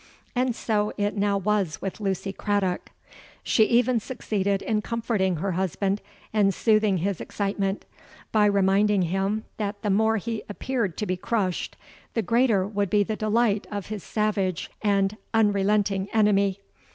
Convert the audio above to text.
And so it now was with Lucy Craddock. She even succeeded in comforting her husband and soothing his excitement, by reminding him that the more he appeared to be crushed, the greater would be the delight of his savage and unrelenting enemy.